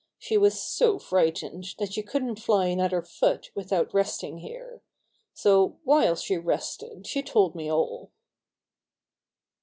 She was so frightened that she couldn't fly another foot without resting here. So while she rested she told me all."